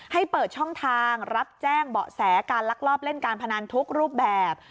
ให้เปิดช่องทางรับแจ้งเบาะแสการลักลอบเล่นการพนันทุกรูปแบบ